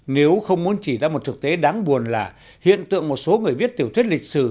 nếu không muốn chỉ ra một thực tế đáng buồn là hiện tượng một số người viết tiểu thuyết lịch sử